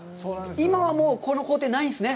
今はもうこの工程はないんですね。